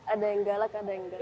ada yang galak ada yang galak